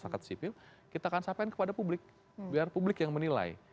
masyarakat sipil kita akan sampaikan kepada publik biar publik yang menilai